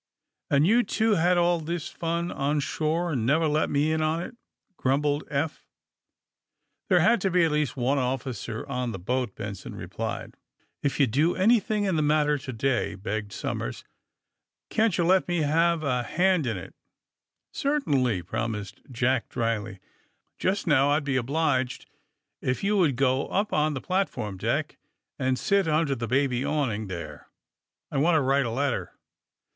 And you two had all this fun on shore, and never let me in on it," grumbled Eph. '^ There had to be at least one officer on the boat," Benson replied. *^If you do anything in the matter to day," begged Somers, can't you let me have a hand in it!" ^^ Certainly," promised Jack dryly. '^Just now, I'd be obliged if you would go up on the platform deck and sit under the baby awning there. I want to write a letter.